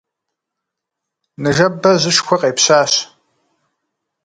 Ныжэбэ жьышхуэ къепщащ.